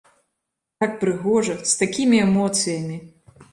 Так прыгожа, з такімі эмоцыямі!